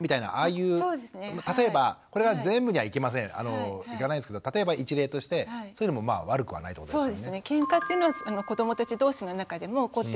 例えばこれが全部にはいきませんいかないですけど例えば一例としてそういうのもまあ悪くはないってことですよね？